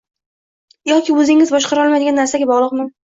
yoki o’zingiz boshqara olmaydigan narsaga bog’liqmi